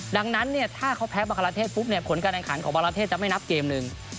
ดังนั้นถ้าเขาแพ้บรรคลาเทศผลการแอนดังขันของบรรคลาเทศจะไม่นับเกมหนึ่ง